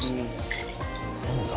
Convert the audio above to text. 何だ？